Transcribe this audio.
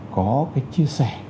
có cái chia sẻ